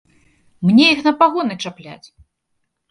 Мне іх на пагоны чапляць!